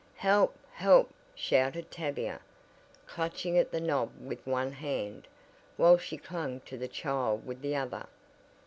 "Help! Help!" shouted Tavia, clutching at the knob with one hand, while she clung to the child with the other.